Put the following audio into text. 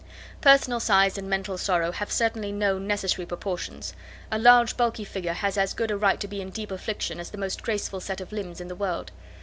Personal size and mental sorrow have certainly no necessary proportions. A large bulky figure has as good a right to be in deep affliction, as the most graceful set of limbs in the world.